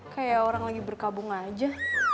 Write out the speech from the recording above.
kayak orang lagi berkabung aja